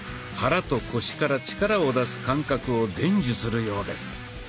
肚と腰から力を出す感覚を伝授するようです。